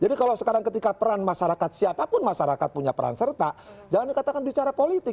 kalau sekarang ketika peran masyarakat siapapun masyarakat punya peran serta jangan dikatakan bicara politik